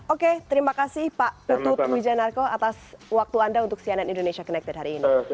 oke terima kasih pak putut wijanarko atas waktu anda untuk cnn indonesia connected hari ini